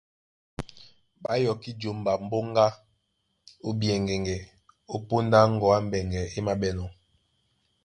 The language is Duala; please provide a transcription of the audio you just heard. Ɓá yɔkí jomba mboŋga a ɓeyɛŋgɛ́ŋgɛ́ ó póndá ŋgɔ̌ á mbɛŋgɛ é māɓɛ́nɔ̄.